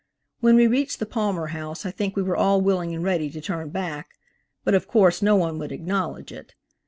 When we reached the Palmer House I think we were all willing and ready to turn back, but of course no one would acknowledge it.